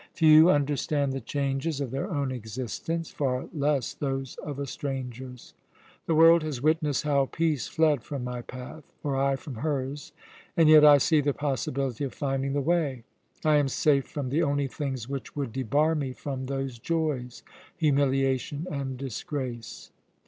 Few understand the changes of their own existence, far less those of a stranger's. The world has witnessed how Peace fled from my path, or I from hers, and yet I see the possibility of finding the way. I am safe from the only things which would debar me from those joys humiliation and disgrace."